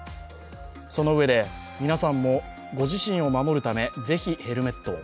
そのうえで、皆さんもご自身を守るため是非ヘルメットを。